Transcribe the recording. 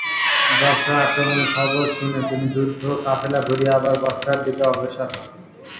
বসরা আক্রমণের খবর শুনে তিনি যুদ্ধ কাফেলা ঘুরিয়ে বসরার দিকে অগ্রসর হন।